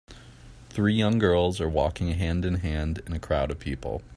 Three young girls are walking hand in hand in a crowd of people.